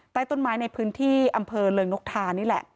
ใต้ต้นไม้ในพื้นที่อำเภอเริงนกทานี่แหละ